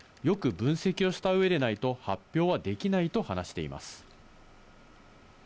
よく分析をした上でないと発表できないと話しています。